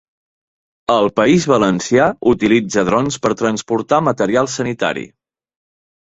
El País Valencià utilitza drons per transportar material sanitari.